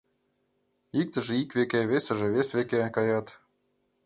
Иктыже ик веке, весыже вес веке каят.